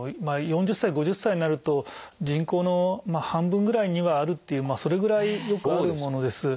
４０歳５０歳になると人口の半分ぐらいにはあるっていうそれぐらいよくあるものです。